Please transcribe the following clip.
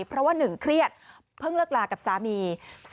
เพราะว่า๑เครียดเพิ่งเลิกลากับสามี